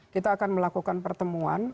kita akan melakukan pertemuan